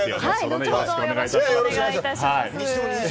後ほどよろしくお願いいたします。